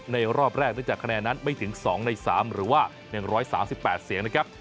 รอบแรกเนื่องจากคะแนนนั้นไม่ถึง๒ใน๓หรือว่า๑๓๘เสียงนะครับ